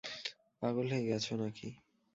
পাগল হয়ে গেছো নাকি?